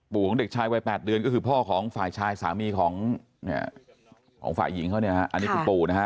ปู่ของเด็กชายวัย๘เดือนก็คือพ่อของฝ่ายชายสามีของฝ่ายหญิงเขาเนี่ยนะฮะ